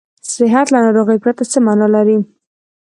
صحت له ناروغۍ پرته څه معنا لري.